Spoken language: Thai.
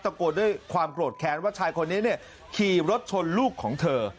ตะโกดด้วยความโกรธแขนว่าชายคนนี้ขี่รถชนลูกของเธอ